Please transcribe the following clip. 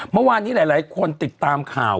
เมื่อวานนี้หลายคนติดตามข่าว